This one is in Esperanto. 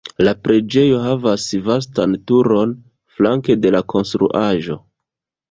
La preĝejo havas vastan turon flanke de la konstruaĵo.